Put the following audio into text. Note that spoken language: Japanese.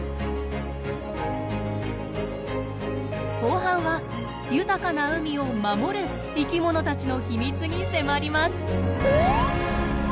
後半は豊かな海を守る生き物たちの秘密に迫ります。